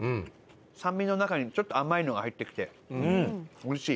酸味の中にちょっと甘いのが入ってきて美味しい。